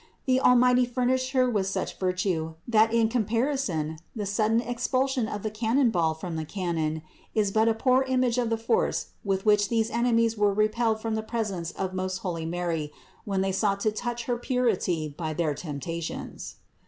The Almighty furnished Her with such virtue, that in comparison the sudden expulsion of the cannon ball from the cannon, is but a poor image of the force with which these enemies were repelled from the presence of most holy Mary when they sought to touch her purity by their temptations.